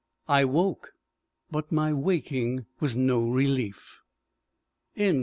I woke, but my waking was no relief.